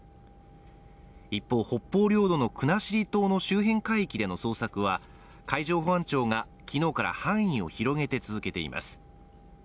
一方、北方領土の国後島の周辺海域での捜索は、海上保安庁が昨日から範囲を広げて続けています。